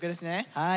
はい。